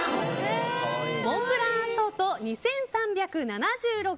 モンブランアソート、２３７６円。